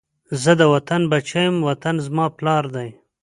زه د وطن بچی یم، وطن زما پلار دی